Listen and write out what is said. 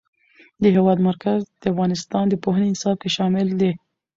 د هېواد مرکز د افغانستان د پوهنې نصاب کې شامل دي.